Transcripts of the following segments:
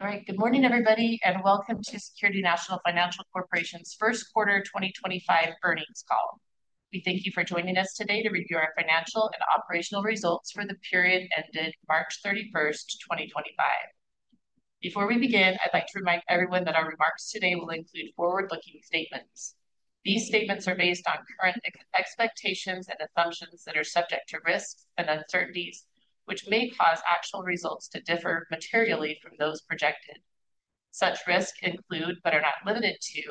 All right. Good morning, everybody, and welcome to Security National Financial Corporation's First Quarter 2025 earnings call. We thank you for joining us today to review our financial and operational results for the period ended March 31, 2025. Before we begin, I'd like to remind everyone that our remarks today will include forward-looking statements. These statements are based on current expectations and assumptions that are subject to risks and uncertainties, which may cause actual results to differ materially from those projected. Such risks include, but are not limited to,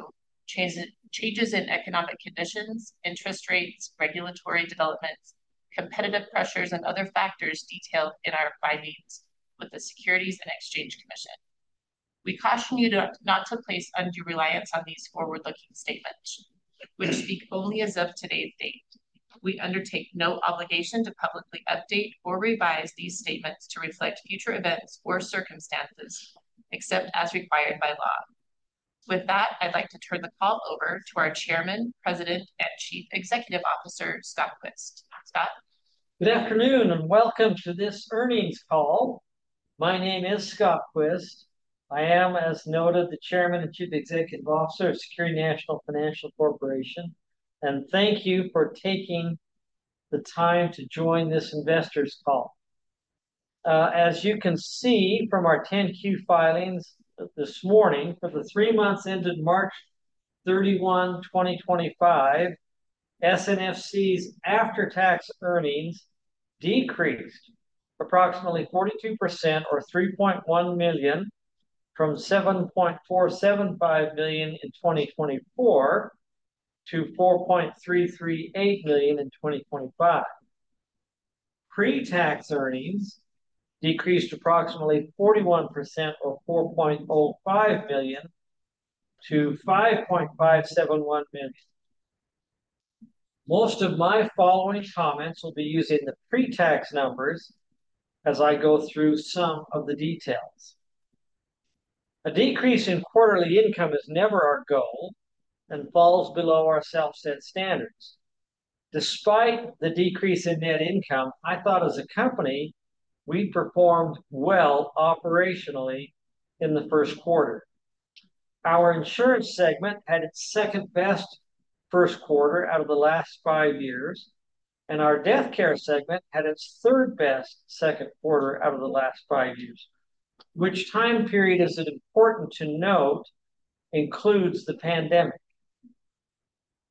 changes in economic conditions, interest rates, regulatory developments, competitive pressures, and other factors detailed in our filings with the Securities and Exchange Commission. We caution you not to place undue reliance on these forward-looking statements, which speak only as of today's date. We undertake no obligation to publicly update or revise these statements to reflect future events or circumstances, except as required by law. With that, I'd like to turn the call over to our Chairman, President, and Chief Executive Officer, Scott Quist. Scott? Good afternoon and welcome to this earnings call. My name is Scott Quist. I am, as noted, the Chairman and Chief Executive Officer of Security National Financial Corporation, and thank you for taking the time to join this investors' call. As you can see from our 10-Q filings this morning, for the three months ended March 31, 2025, SNFC's after-tax earnings decreased approximately 42%, or $3.1 million, from $7.475 million in 2024 to $4.338 million in 2025. Pre-tax earnings decreased approximately 41%, or $4.05 million, to $5.571 million. Most of my following comments will be using the pre-tax numbers as I go through some of the details. A decrease in quarterly income is never our goal and falls below our self-set standards. Despite the decrease in net income, I thought as a company we performed well operationally in the first quarter. Our insurance segment had its second-best first quarter out of the last five years, and our death care segment had its third-best second quarter out of the last five years, which time period, as it is important to note, includes the pandemic.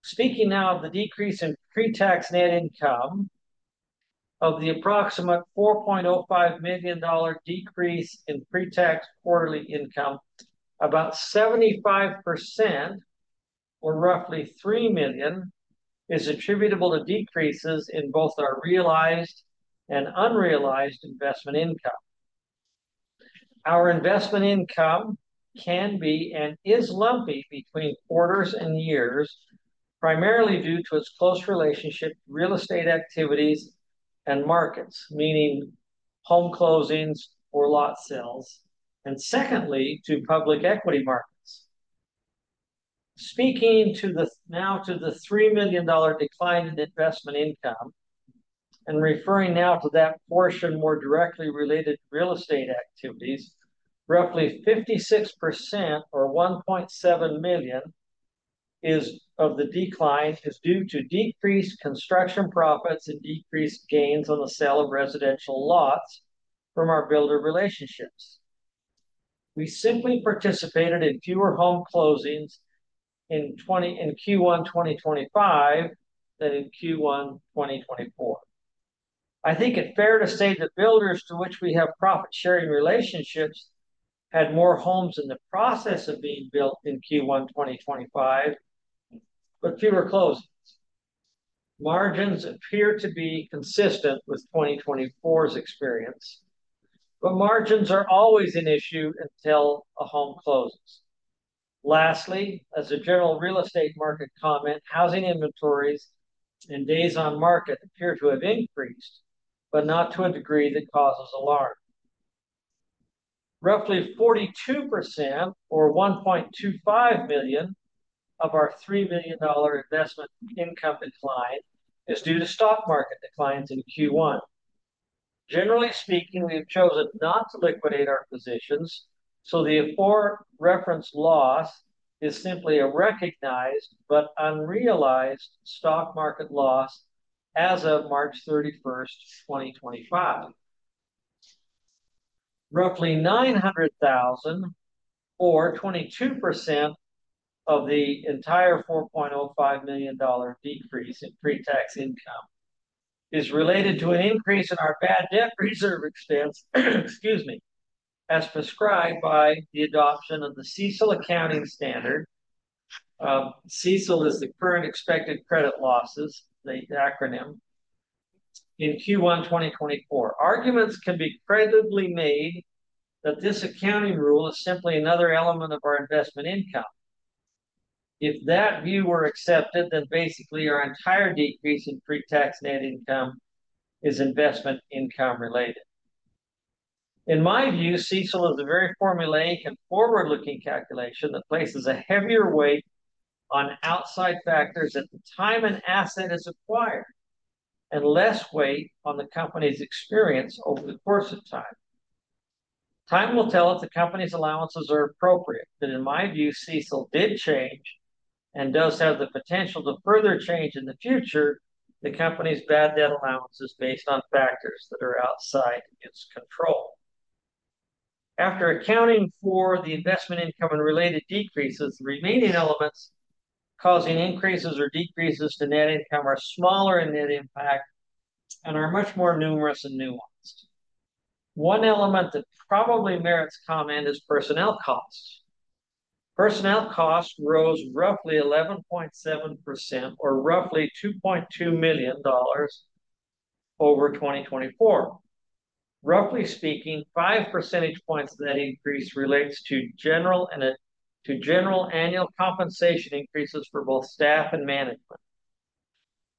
Speaking now of the decrease in pre-tax net income, of the approximate $4.05 million decrease in pre-tax quarterly income, about 75%, or roughly $3 million, is attributable to decreases in both our realized and unrealized investment income. Our investment income can be and is lumpy between quarters and years, primarily due to its close relationship to real estate activities and markets, meaning home closings or lot sales, and secondly to public equity markets. Speaking now to the $3 million decline in investment income and referring now to that portion more directly related to real estate activities, roughly 56%, or $1.7 million, of the decline is due to decreased construction profits and decreased gains on the sale of residential lots from our builder relationships. We simply participated in fewer home closings in Q1 2025 than in Q1 2024. I think it's fair to say the builders to which we have profit-sharing relationships had more homes in the process of being built in Q1 2025, but fewer closings. Margins appear to be consistent with 2024's experience, but margins are always an issue until a home closes. Lastly, as a general real estate market comment, housing inventories and days on market appear to have increased, but not to a degree that causes alarm. Roughly 42%, or $1.25 million, of our $3 million investment income decline is due to stock market declines in Q1. Generally speaking, we have chosen not to liquidate our positions, so the aforementioned loss is simply a recognized but unrealized stock market loss as of March 31, 2025. Roughly $900,000, or 22% of the entire $4.05 million decrease in pre-tax income, is related to an increase in our bad debt reserve expense, excuse me, as prescribed by the adoption of the CECL accounting standard. CECL is the Current Expected Credit Losses, the acronym, in Q1 2024. Arguments can be credibly made that this accounting rule is simply another element of our investment income. If that view were accepted, then basically our entire decrease in pre-tax net income is investment income related. In my view, CECL is a very formulaic and forward-looking calculation that places a heavier weight on outside factors at the time an asset is acquired and less weight on the company's experience over the course of time. Time will tell if the company's allowances are appropriate, but in my view, CECL did change and does have the potential to further change in the future the company's bad debt allowances based on factors that are outside its control. After accounting for the investment income and related decreases, the remaining elements causing increases or decreases to net income are smaller in net impact and are much more numerous and nuanced. One element that probably merits comment is personnel costs. Personnel costs rose roughly 11.7%, or roughly $2.2 million over 2024. Roughly speaking, five percentage points of that increase relates to general annual compensation increases for both staff and management.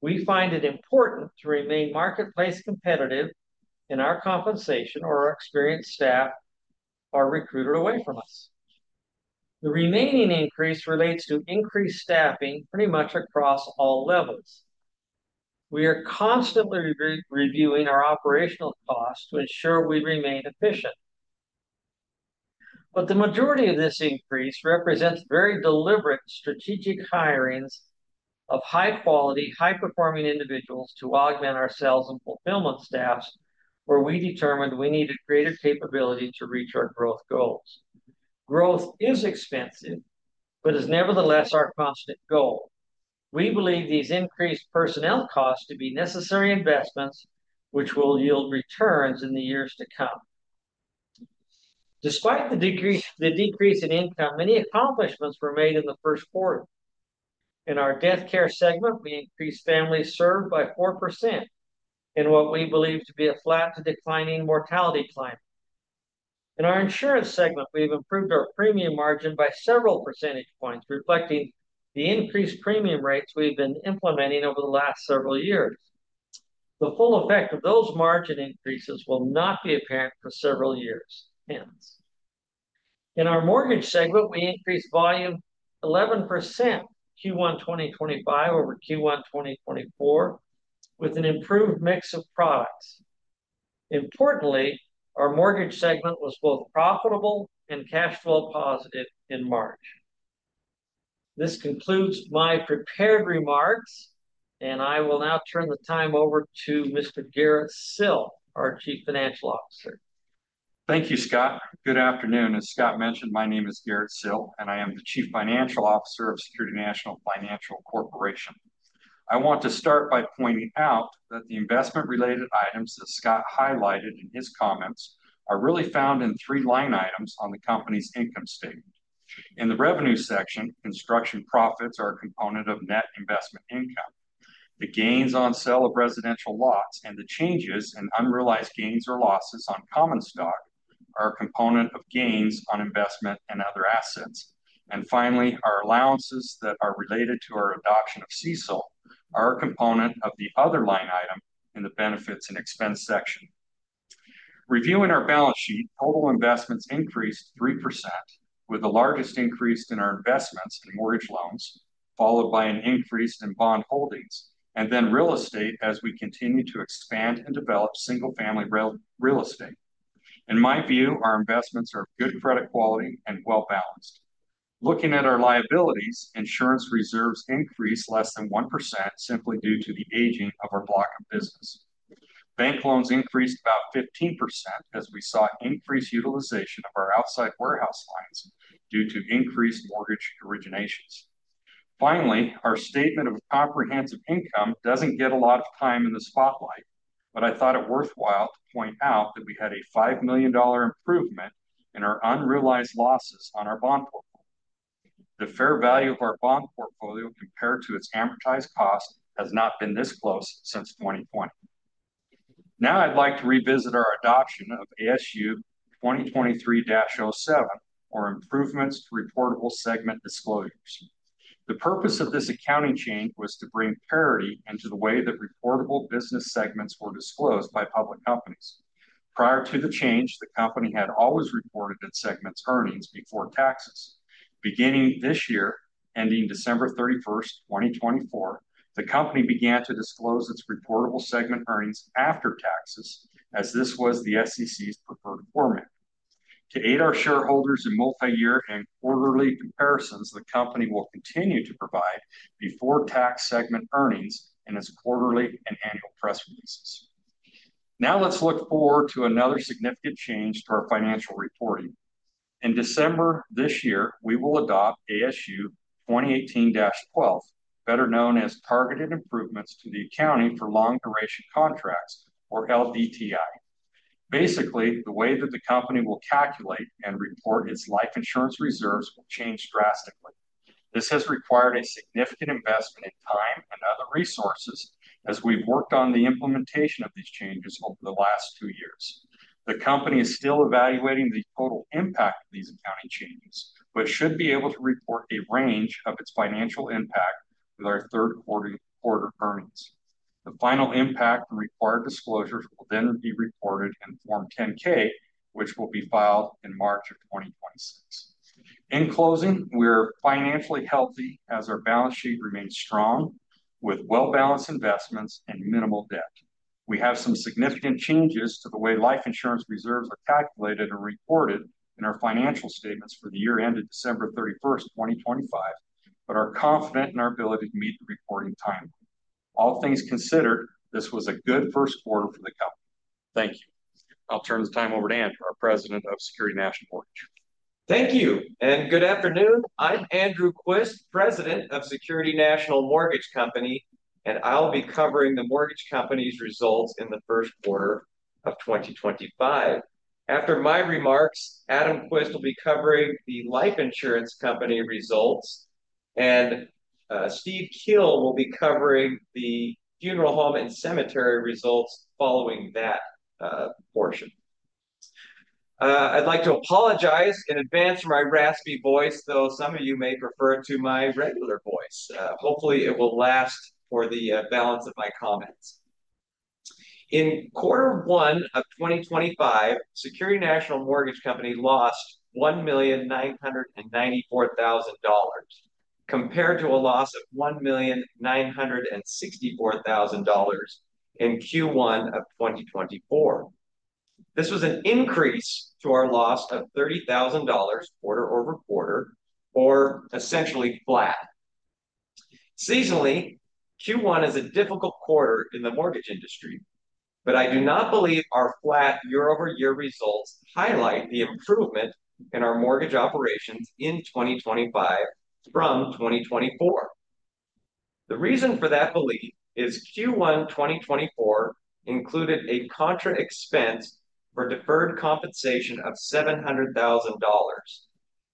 We find it important to remain marketplace competitive in our compensation, or our experienced staff are recruited away from us. The remaining increase relates to increased staffing pretty much across all levels. We are constantly reviewing our operational costs to ensure we remain efficient. The majority of this increase represents very deliberate strategic hirings of high-quality, high-performing individuals to augment our sales and fulfillment staffs, where we determined we needed greater capability to reach our growth goals. Growth is expensive, but is nevertheless our constant goal. We believe these increased personnel costs to be necessary investments, which will yield returns in the years to come. Despite the decrease in income, many accomplishments were made in the first quarter. In our death care segment, we increased families served by 4% in what we believe to be a flat to declining mortality climate. In our insurance segment, we have improved our premium margin by several percentage points, reflecting the increased premium rates we have been implementing over the last several years. The full effect of those margin increases will not be apparent for several years. In our mortgage segment, we increased volume 11% Q1 2025 over Q1 2024 with an improved mix of products. Importantly, our mortgage segment was both profitable and cash flow positive in March. This concludes my prepared remarks, and I will now turn the time over to Mr. Garrett Sill, our Chief Financial Officer. Thank you, Scott. Good afternoon. As Scott mentioned, my name is Garrett Sill, and I am the Chief Financial Officer of Security National Financial Corporation. I want to start by pointing out that the investment-related items that Scott highlighted in his comments are really found in three line items on the company's income statement. In the revenue section, construction profits are a component of net investment income. The gains on sale of residential lots and the changes in unrealized gains or losses on common stock are a component of gains on investment and other assets. Finally, our allowances that are related to our adoption of CECL are a component of the other line item in the benefits and expense section. Reviewing our balance sheet, total investments increased 3%, with the largest increase in our investments in mortgage loans, followed by an increase in bond holdings, and then real estate as we continue to expand and develop single-family real estate. In my view, our investments are of good credit quality and well-balanced. Looking at our liabilities, insurance reserves increased less than 1% simply due to the aging of our block of business. Bank loans increased about 15% as we saw increased utilization of our outside warehouse lines due to increased mortgage originations. Finally, our statement of comprehensive income does not get a lot of time in the spotlight, but I thought it worthwhile to point out that we had a $5 million improvement in our unrealized losses on our bond portfolio. The fair value of our bond portfolio compared to its amortized cost has not been this close since 2020. Now I'd like to revisit our adoption of ASU 2023-07, or improvements to reportable segment disclosures. The purpose of this accounting change was to bring parity into the way that reportable business segments were disclosed by public companies. Prior to the change, the company had always reported its segments' earnings before taxes. Beginning this year, ending December 31, 2024, the company began to disclose its reportable segment earnings after taxes, as this was the SEC's preferred format. To aid our shareholders in multi-year and quarterly comparisons, the company will continue to provide before-tax segment earnings in its quarterly and annual press releases. Now let's look forward to another significant change to our financial reporting. In December this year, we will adopt ASU 2018-12, better known as targeted improvements to the accounting for long-duration contracts, or LDTI. Basically, the way that the company will calculate and report its life insurance reserves will change drastically. This has required a significant investment in time and other resources as we've worked on the implementation of these changes over the last two years. The company is still evaluating the total impact of these accounting changes, but should be able to report a range of its financial impact with our third-quarter earnings. The final impact and required disclosures will then be reported in Form 10-K, which will be filed in March of 2026. In closing, we are financially healthy as our balance sheet remains strong with well-balanced investments and minimal debt. We have some significant changes to the way life insurance reserves are calculated and reported in our financial statements for the year ended December 31st, 2025, but are confident in our ability to meet the reporting timeline. All things considered, this was a good first quarter for the company. Thank you. I'll turn the time over to Andrew, our President of Security National Mortgage. Thank you, and good afternoon. I'm Andrew Quist, President of Security National Mortgage Company, and I'll be covering the mortgage company's results in the first quarter of 2025. After my remarks, Adam Quist will be covering the life insurance company results, and Steve Kiel will be covering the funeral home and cemetery results following that portion. I'd like to apologize in advance for my raspy voice, though some of you may prefer it to my regular voice. Hopefully, it will last for the balance of my comments. In quarter one of 2025, Security National Mortgage Company lost $1,994,000 compared to a loss of $1,964,000 in Q1 of 2024. This was an increase to our loss of $30,000 quarter over quarter, or essentially flat. Seasonally, Q1 is a difficult quarter in the mortgage industry, but I do not believe our flat year-over-year results highlight the improvement in our mortgage operations in 2025 from 2024. The reason for that belief is Q1 2024 included a contra expense for deferred compensation of $700,000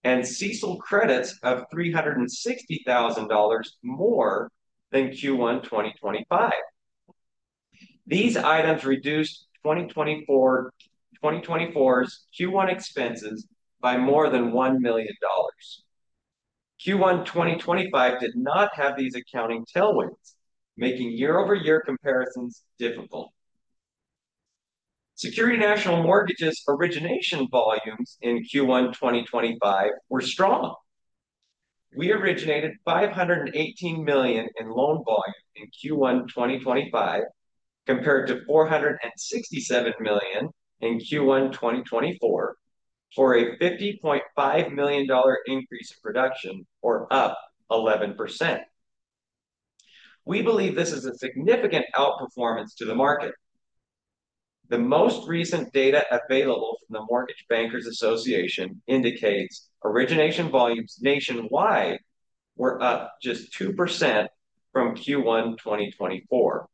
and CECL credits of $360,000 more than Q1 2025. These items reduced 2024's Q1 expenses by more than $1 million. Q1 2025 did not have these accounting tailwinds, making year-over-year comparisons difficult. Security National Mortgage's origination volumes in Q1 2025 were strong. We originated $518 million in loan volume in Q1 2025 compared to $467 million in Q1 2024 for a $50.5 million increase in production, or up 11%. We believe this is a significant outperformance to the market. The most recent data available from the Mortgage Bankers Association indicates origination volumes nationwide were up just 2% from Q1 2024.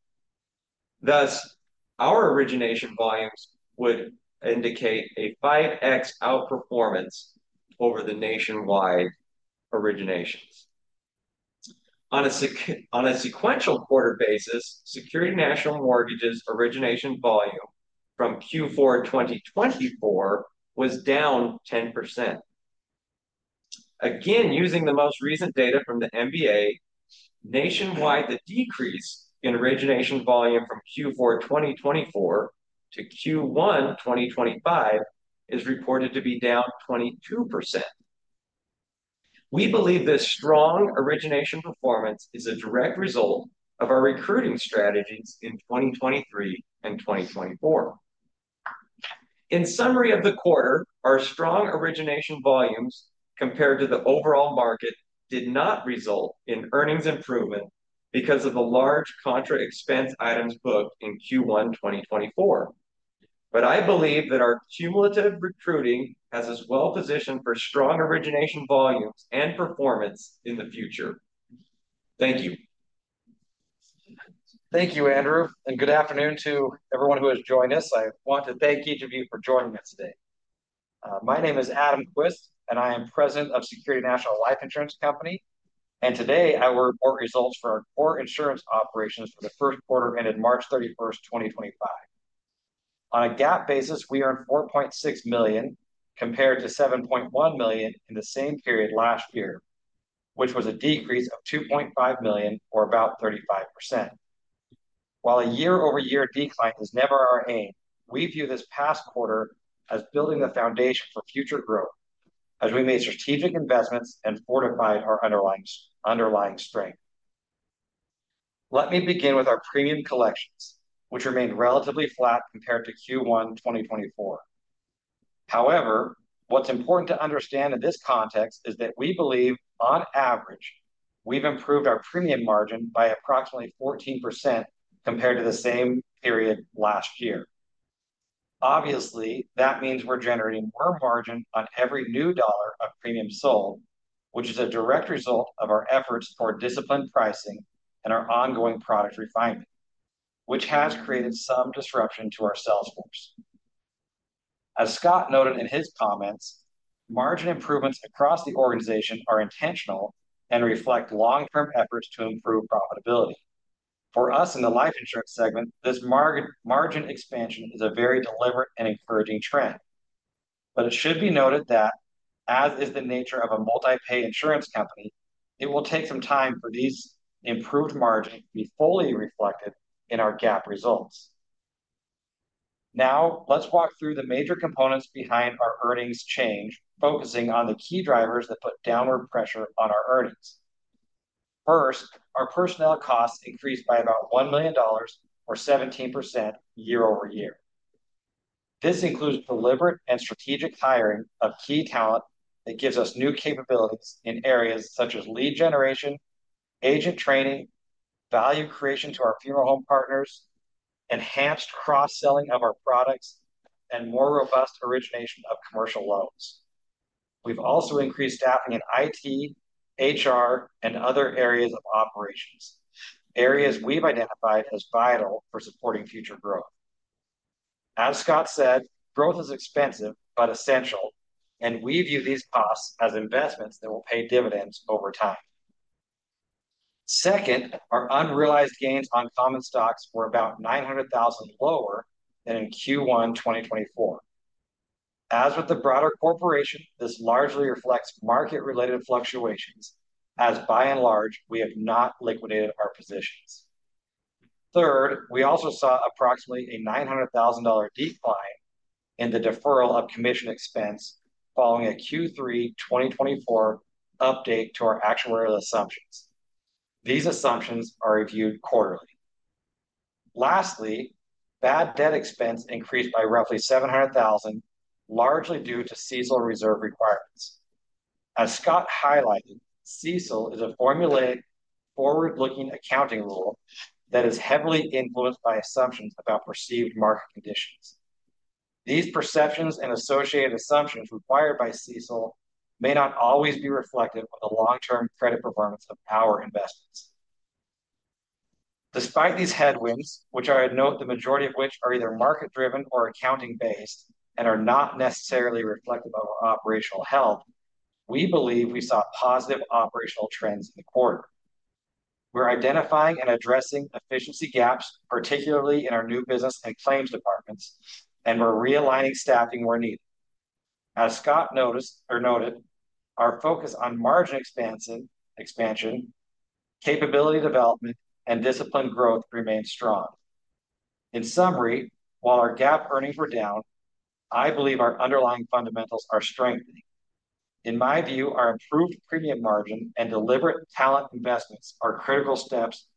Thus, our origination volumes would indicate a 5x outperformance over the nationwide originations. On a sequential quarter basis, Security National Mortgage's origination volume from Q4 2024 was down 10%. Again, using the most recent data from the MBA, nationwide, the decrease in origination volume from Q4 2024 to Q1 2025 is reported to be down 22%. We believe this strong origination performance is a direct result of our recruiting strategies in 2023 and 2024. In summary of the quarter, our strong origination volumes compared to the overall market did not result in earnings improvement because of the large contra expense items booked in Q1 2024. I believe that our cumulative recruiting has us well positioned for strong origination volumes and performance in the future. Thank you. Thank you, Andrew. Good afternoon to everyone who has joined us. I want to thank each of you for joining us today. My name is Adam Quist, and I am President of Security National Life Insurance Company. Today, I will report results for our core insurance operations for the first quarter ended March 31, 2025. On a GAAP basis, we earned $4.6 million compared to $7.1 million in the same period last year, which was a decrease of $2.5 million, or about 35%. While a year-over-year decline is never our aim, we view this past quarter as building the foundation for future growth as we made strategic investments and fortified our underlying strength. Let me begin with our premium collections, which remained relatively flat compared to Q1 2024. However, what's important to understand in this context is that we believe, on average, we've improved our premium margin by approximately 14% compared to the same period last year. Obviously, that means we're generating more margin on every new dollar of premium sold, which is a direct result of our efforts for disciplined pricing and our ongoing product refinement, which has created some disruption to our sales force. As Scott noted in his comments, margin improvements across the organization are intentional and reflect long-term efforts to improve profitability. For us in the life insurance segment, this margin expansion is a very deliberate and encouraging trend. It should be noted that, as is the nature of a multi-pay insurance company, it will take some time for these improved margins to be fully reflected in our GAAP results. Now, let's walk through the major components behind our earnings change, focusing on the key drivers that put downward pressure on our earnings. First, our personnel costs increased by about $1 million, or 17% year-over-year. This includes deliberate and strategic hiring of key talent that gives us new capabilities in areas such as lead generation, agent training, value creation to our funeral home partners, enhanced cross-selling of our products, and more robust origination of commercial loans. We've also increased staffing in IT, HR, and other areas of operations, areas we've identified as vital for supporting future growth. As Scott said, growth is expensive but essential, and we view these costs as investments that will pay dividends over time. Second, our unrealized gains on common stocks were about $900,000 lower than in Q1 2024. As with the broader corporation, this largely reflects market-related fluctuations as, by and large, we have not liquidated our positions. Third, we also saw approximately a $900,000 decline in the deferral of commission expense following a Q3 2024 update to our actuarial assumptions. These assumptions are reviewed quarterly. Lastly, bad debt expense increased by roughly $700,000, largely due to CECL reserve requirements. As Scott highlighted, CECL is a formulaic forward-looking accounting rule that is heavily influenced by assumptions about perceived market conditions. These perceptions and associated assumptions required by CECL may not always be reflective of the long-term credit performance of our investments. Despite these headwinds, which I would note the majority of which are either market-driven or accounting-based and are not necessarily reflective of our operational health, we believe we saw positive operational trends in the quarter. We're identifying and addressing efficiency gaps, particularly in our new business and claims departments, and we're realigning staffing where needed. As Scott noted, our focus on margin expansion, capability development, and discipline growth remains strong. In summary, while our GAAP earnings were down, I believe our underlying fundamentals are strengthening. In my view, our improved premium margin and deliberate talent investments are critical steps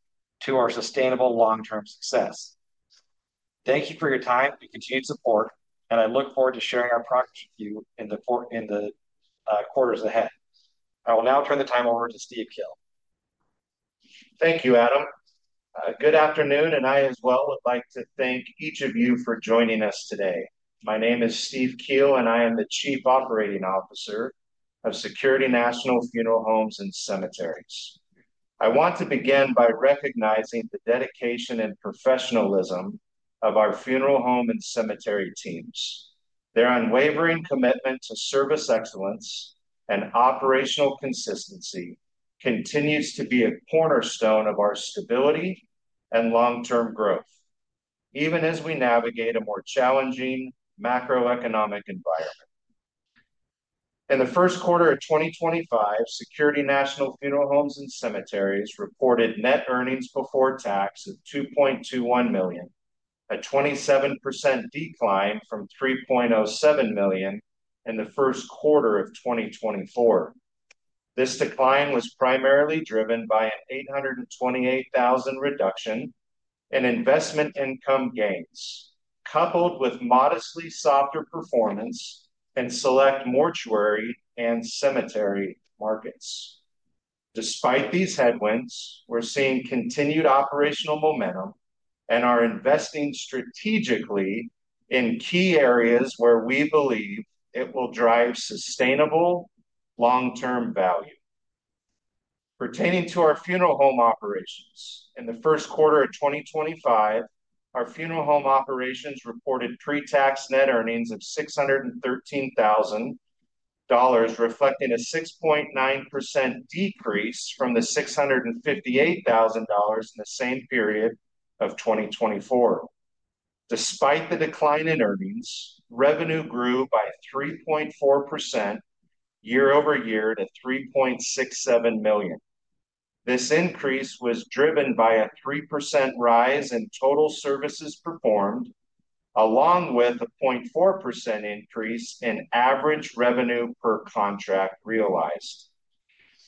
to our sustainable long-term success. Thank you for your time and continued support, and I look forward to sharing our progress with you in the quarters ahead. I will now turn the time over to Steve Kiel. Thank you, Adam. Good afternoon, and I as well would like to thank each of you for joining us today. My name is Steve Kiel, and I am the Chief Operating Officer of Security National Funeral Homes and Cemeteries. I want to begin by recognizing the dedication and professionalism of our funeral home and cemetery teams. Their unwavering commitment to service excellence and operational consistency continues to be a cornerstone of our stability and long-term growth, even as we navigate a more challenging macroeconomic environment. In the first quarter of 2025, Security National Funeral Homes and Cemeteries reported net earnings before tax of $2.21 million, a 27% decline from $3.07 million in the first quarter of 2024. This decline was primarily driven by an $828,000 reduction in investment income gains, coupled with modestly softer performance in select mortuary and cemetery markets. Despite these headwinds, we're seeing continued operational momentum and are investing strategically in key areas where we believe it will drive sustainable long-term value. Pertaining to our funeral home operations, in the first quarter of 2025, our funeral home operations reported pre-tax net earnings of $613,000, reflecting a 6.9% decrease from the $658,000 in the same period of 2024. Despite the decline in earnings, revenue grew by 3.4% year-over-year to $3.67 million. This increase was driven by a 3% rise in total services performed, along with a 0.4% increase in average revenue per contract realized.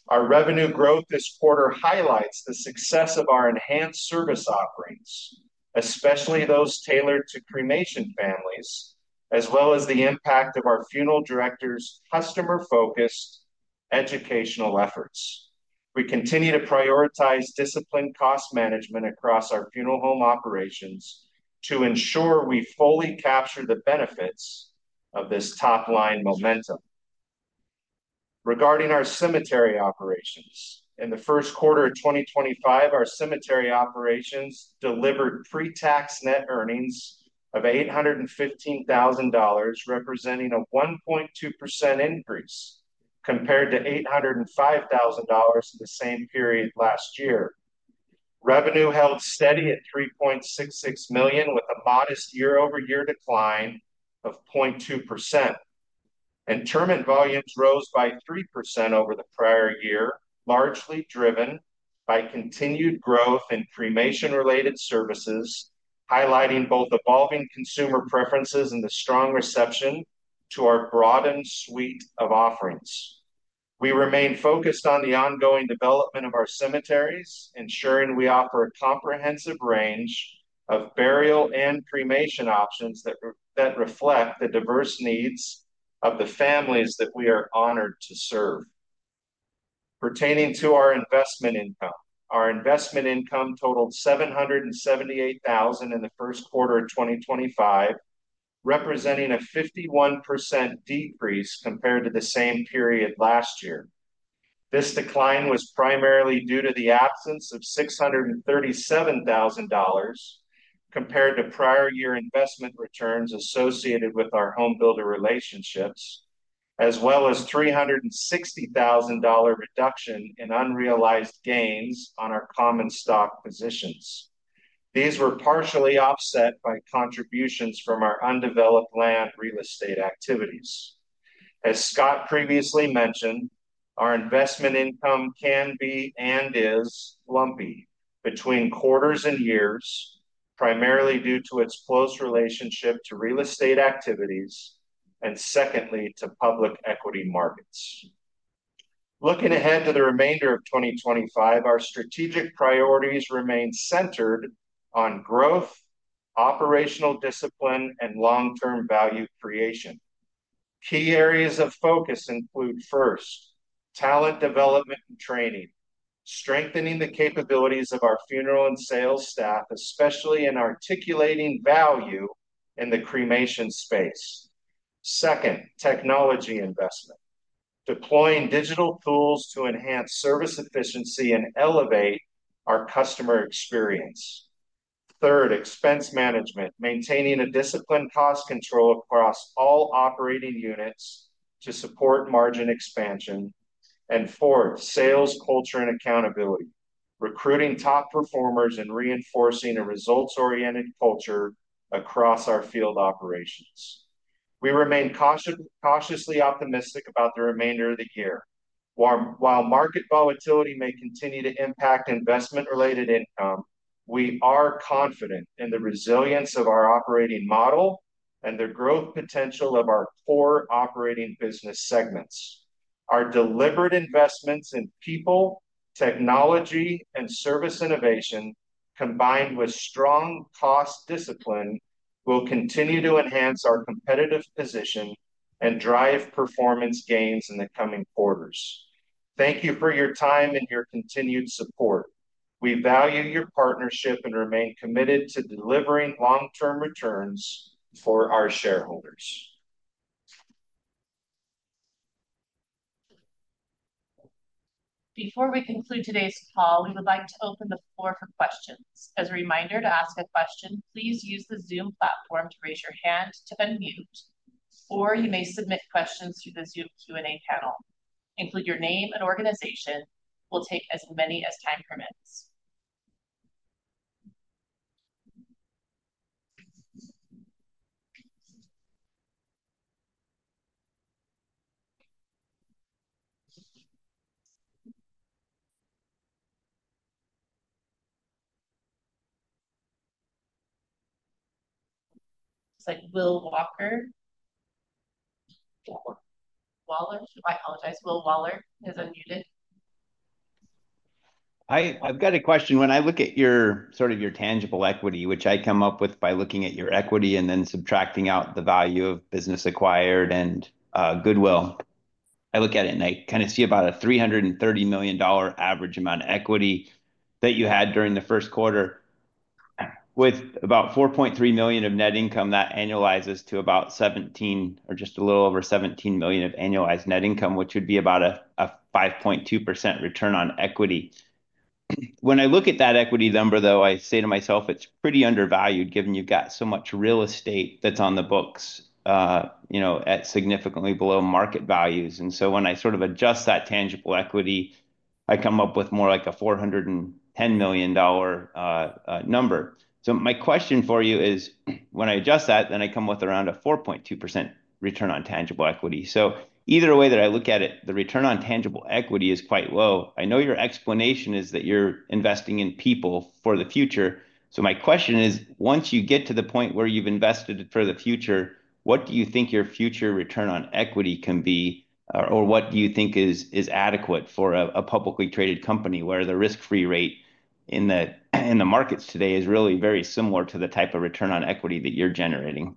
Our revenue growth this quarter highlights the success of our enhanced service offerings, especially those tailored to cremation families, as well as the impact of our funeral director's customer-focused educational efforts. We continue to prioritize disciplined cost management across our funeral home operations to ensure we fully capture the benefits of this top-line momentum. Regarding our cemetery operations, in the first quarter of 2025, our cemetery operations delivered pre-tax net earnings of $815,000, representing a 1.2% increase compared to $805,000 in the same period last year. Revenue held steady at $3.66 million, with a modest year-over-year decline of 0.2%. Interment volumes rose by 3% over the prior year, largely driven by continued growth in cremation-related services, highlighting both evolving consumer preferences and the strong reception to our broadened suite of offerings. We remain focused on the ongoing development of our cemeteries, ensuring we offer a comprehensive range of burial and cremation options that reflect the diverse needs of the families that we are honored to serve. Pertaining to our investment income, our investment income totaled $778,000 in the first quarter of 2025, representing a 51% decrease compared to the same period last year. This decline was primarily due to the absence of $637,000 compared to prior year investment returns associated with our homebuilder relationships, as well as a $360,000 reduction in unrealized gains on our common stock positions. These were partially offset by contributions from our undeveloped land real estate activities. As Scott previously mentioned, our investment income can be and is lumpy between quarters and years, primarily due to its close relationship to real estate activities and, secondly, to public equity markets. Looking ahead to the remainder of 2025, our strategic priorities remain centered on growth, operational discipline, and long-term value creation. Key areas of focus include, first, talent development and training, strengthening the capabilities of our funeral and sales staff, especially in articulating value in the cremation space. Second, technology investment, deploying digital tools to enhance service efficiency and elevate our customer experience. Third, expense management, maintaining a disciplined cost control across all operating units to support margin expansion. Fourth, sales, culture, and accountability, recruiting top performers and reinforcing a results-oriented culture across our field operations. We remain cautiously optimistic about the remainder of the year. While market volatility may continue to impact investment-related income, we are confident in the resilience of our operating model and the growth potential of our core operating business segments. Our deliberate investments in people, technology, and service innovation, combined with strong cost discipline, will continue to enhance our competitive position and drive performance gains in the coming quarters. Thank you for your time and your continued support. We value your partnership and remain committed to delivering long-term returns for our shareholders. Before we conclude today's call, we would like to open the floor for questions. As a reminder, to ask a question, please use the Zoom platform to raise your hand to unmute, or you may submit questions through the Zoom Q&A panel. Include your name and organization. We'll take as many as time permits. It looks like Will Waller. Waller. Waller, I apologize. Will Waller is unmuted. I've got a question. When I look at your sort of tangible equity, which I come up with by looking at your equity and then subtracting out the value of business acquired and goodwill, I look at it and I kind of see about a $330 million average amount of equity that you had during the first quarter. With about $4.3 million of net income, that annualizes to about $17 million or just a little over $17 million of annualized net income, which would be about a 5.2% return on equity. When I look at that equity number, though, I say to myself, it's pretty undervalued given you've got so much real estate that's on the books at significantly below market values. And so when I sort of adjust that tangible equity, I come up with more like a $410 million number. My question for you is, when I adjust that, then I come with around a 4.2% return on tangible equity. Either way that I look at it, the return on tangible equity is quite low. I know your explanation is that you're investing in people for the future. My question is, once you get to the point where you've invested for the future, what do you think your future return on equity can be, or what do you think is adequate for a publicly traded company where the risk-free rate in the markets today is really very similar to the type of return on equity that you're generating?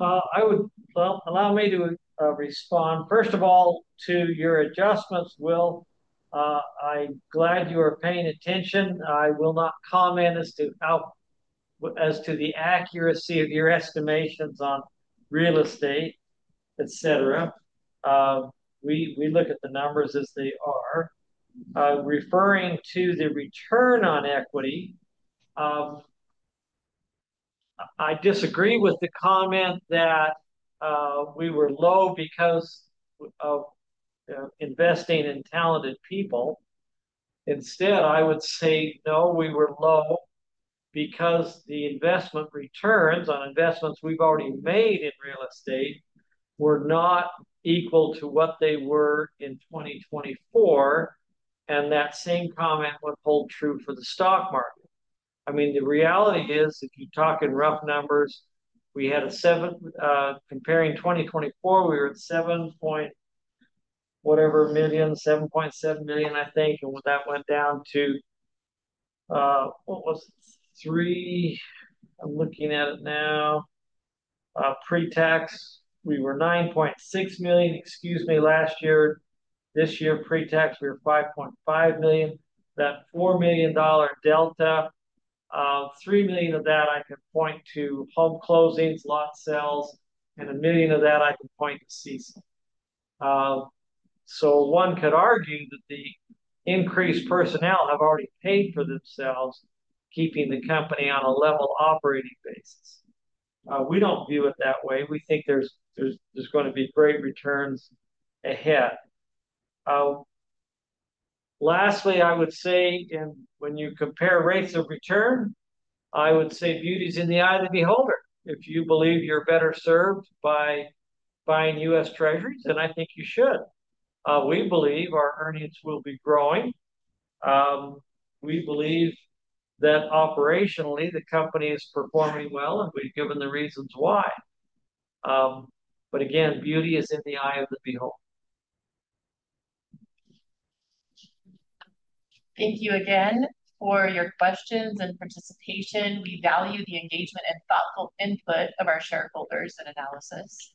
Allow me to respond. First of all, to your adjustments, Will, I'm glad you are paying attention. I will not comment as to the accuracy of your estimations on real estate, etc. We look at the numbers as they are. Referring to the return on equity, I disagree with the comment that we were low because of investing in talented people. Instead, I would say, no, we were low because the investment returns on investments we've already made in real estate were not equal to what they were in 2024. That same comment would hold true for the stock market. I mean, the reality is, if you talk in rough numbers, comparing 2024, we were at $7.7 million, I think, and that went down to, what was it, $3 million, I'm looking at it now. Pre-tax, we were $9.6 million, excuse me, last year. This year, pre-tax, we were $5.5 million. That $4 million delta, $3 million of that, I could point to home closings, lot sales, and $1 million of that, I could point to CSUN. So one could argue that the increased personnel have already paid for themselves, keeping the company on a level operating basis. We do not view it that way. We think there is going to be great returns ahead. Lastly, I would say, and when you compare rates of return, I would say beauty is in the eye of the beholder. If you believe you are better served by buying US Treasuries, then I think you should. We believe our earnings will be growing. We believe that operationally, the company is performing well, and we have given the reasons why. Again, beauty is in the eye of the beholder. Thank you again for your questions and participation. We value the engagement and thoughtful input of our shareholders and analysis.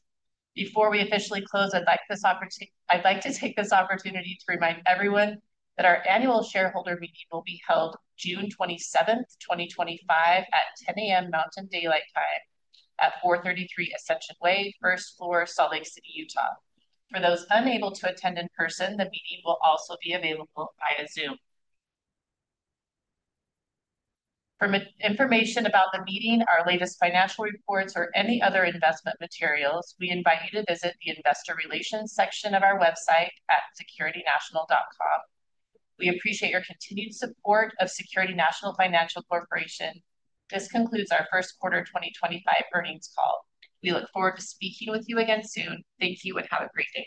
Before we officially close, I'd like to take this opportunity to remind everyone that our annual shareholder meeting will be held June 27, 2025, at 10:00 A.M. Mountain Daylight Time at 433 Ascension Way, First Floor, Salt Lake City, Utah. For those unable to attend in person, the meeting will also be available via Zoom. For information about the meeting, our latest financial reports, or any other investment materials, we invite you to visit the Investor Relations section of our website at securitynational.com. We appreciate your continued support of Security National Financial Corporation. This concludes our First Quarter 2025 Earnings Call. We look forward to speaking with you again soon. Thank you and have a great day.